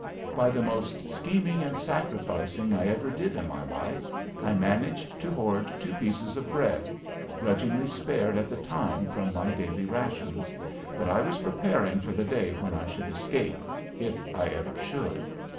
By the most scheming and sacrificing I ever did in my life I managed to hoard two pieces of bread (grudgingly spared at the time from my daily rations), but I was preparing for the day when I should escape if I ever should.